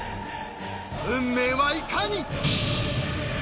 ［運命はいかに！？］